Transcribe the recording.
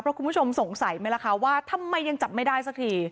เพราะคุณผู้ชมสงสัยไหมล่ะคะว่าทำไมยังจับไม่ได้สักที